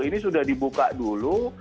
ini sudah dibuka dulu